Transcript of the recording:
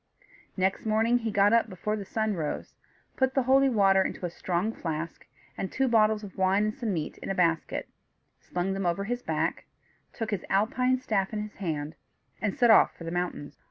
Next morning he got up before the sun rose, put the holy water into a strong flask, and two bottles of wine and some meat in a basket, slung them over his back, took his alpine staff in his hand, and set off for the mountains.